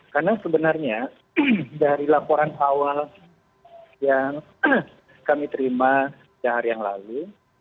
karena sebenarnya dari laporan awal yang kami terima sehari yang lalu